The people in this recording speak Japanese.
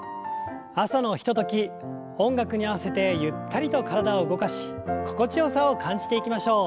朝のひととき音楽に合わせてゆったりと体を動かし心地よさを感じていきましょう。